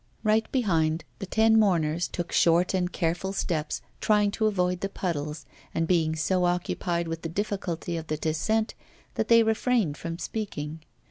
Right behind, the ten mourners took short and careful steps, trying to avoid the puddles, and being so occupied with the difficulty of the descent that they refrained from speaking.